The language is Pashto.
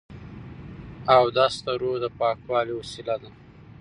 اودس د روح د پاکوالي وسیله ده.